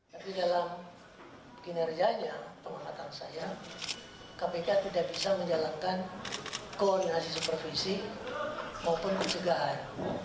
tapi dalam kinerjanya pengamatan saya kpk tidak bisa menjalankan koordinasi supervisi maupun pencegahan